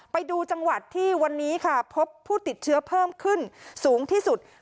ไปดูจังหวัดที่วันนี้ค่ะพบผู้ติดเชื้อเพิ่มขึ้นสูงที่สุด